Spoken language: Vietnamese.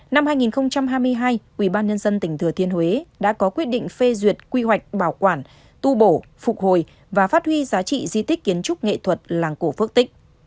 năm hai nghìn hai mươi hai ubnd tỉnh thừa thiên huế đã có quyết định phê duyệt quy hoạch bảo quản tu bổ phục hồi và phát huy giá trị di tích kiến trúc nghệ thuật làng cổ phước tích